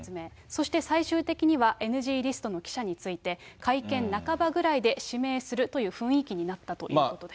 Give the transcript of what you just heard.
そして最終的には、ＮＧリストの記者について、会見半ばぐらいで指名するという雰囲気になったということです。